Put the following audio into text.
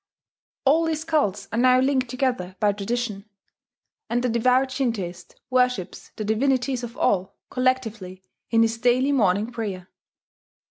All these cults are now linked together by tradition; and the devout Shintoist worships the divinities of all, collectively, in his daily morning prayer.